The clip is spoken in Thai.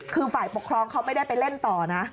คือฝ่ายปกครองเขาไม่ได้ไปเล่นต่อนะ